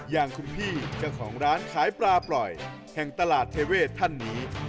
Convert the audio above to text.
อย่างคุณพี่เจ้าของร้านขายปลาปล่อยแห่งตลาดเทเวศท่านนี้